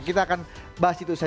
kita akan bahas itu saja